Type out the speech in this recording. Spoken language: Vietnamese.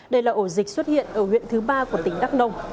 đây là ổ dịch xuất hiện ở huyện thứ ba của tỉnh đắk nông